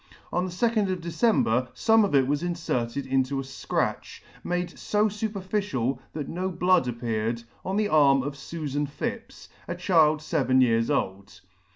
On the 2d of December fome of it was inferted into a fcratch, made fo fuperficial, that no blood O 2 appeared, [ 100 ] appeared, on the arm of Sufan Phipps, a child feven years old.